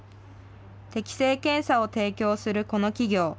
適性検査を提供するこの企業。